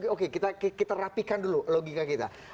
oke kita rapikan dulu logika kita